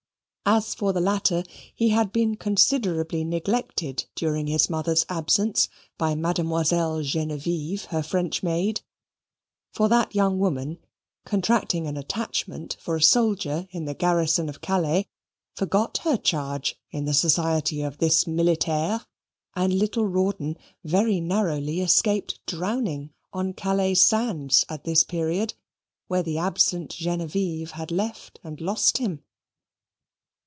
As for the latter, he had been considerably neglected during his mother's absence by Mademoiselle Genevieve, her French maid; for that young woman, contracting an attachment for a soldier in the garrison of Calais, forgot her charge in the society of this militaire, and little Rawdon very narrowly escaped drowning on Calais sands at this period, where the absent Genevieve had left and lost him.